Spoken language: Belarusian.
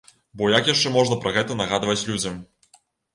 Бо як яшчэ можна пра гэта нагадваць людзям?